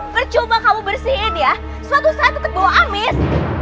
bercoba kamu bersihin ya suatu saat tetep bawa amis